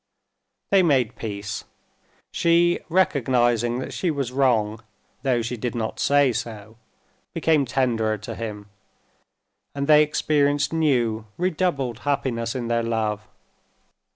They made peace. She, recognizing that she was wrong, though she did not say so, became tenderer to him, and they experienced new, redoubled happiness in their love.